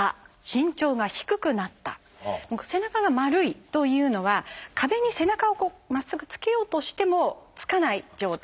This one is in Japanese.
背中が丸いというのは壁に背中をまっすぐつけようとしてもつかない状態。